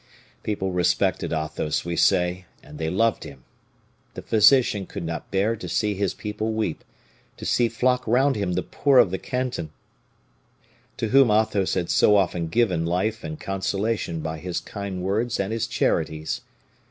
People respected Athos, we say, and they loved him. The physician could not bear to see his people weep, to see flock round him the poor of the canton, to whom Athos had so often given life and consolation by his kind words and his charities.